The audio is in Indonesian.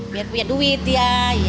biar punya duit ya